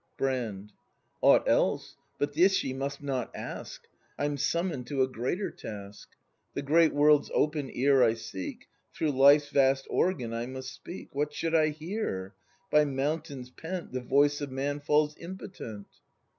Brand. Aught else: but this ye must not ask! I'm summoned to a greater task. The great world's open ear I seek; Through Life's vast organ I must speak. What should I here ? By mountains pent The voice of man falls impotent.